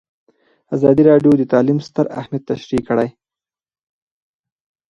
ازادي راډیو د تعلیم ستر اهميت تشریح کړی.